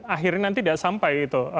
akhirnya nanti tidak sampai itu